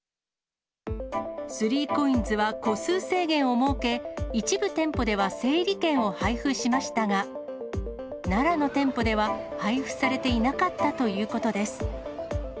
３コインズは個数制限を設け、一部店舗では整理券を配布しましたが、奈良の店舗では配付されていなかったということです。